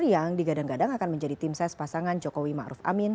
yang digadang gadang akan menjadi tim ses pasangan jokowi ⁇ maruf ⁇ amin